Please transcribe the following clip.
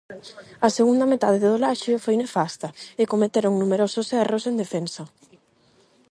A segunda metade do Laxe foi nefasta e cometeron numerosos erros en defensa.